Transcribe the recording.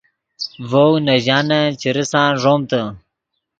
ڤؤ نے ژانن چے ریسان ݱومتے